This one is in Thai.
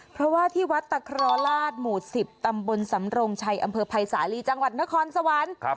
เพราะว่าที่วัดตะครอราชหมู่๑๐ตำบลสำรงชัยอำเภอภัยสาลีจังหวัดนครสวรรค์